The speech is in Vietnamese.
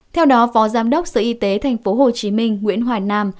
theo đó phó giám đốc sở y tế tp hcm nguyễn hoài nam